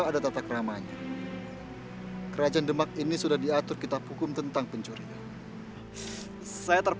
allah maha pengampun lagi maha penyayang